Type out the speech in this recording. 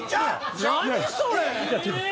何⁉それ！